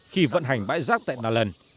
khi vận hành bãi rác tại nà lần